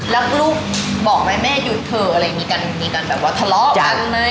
แล้วลูกบอกไหมแม่หยุดเผลออะไรมีกันแบบว่าทะเลาะกันไหม